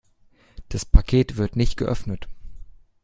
Das Paket wird nicht geöffnet.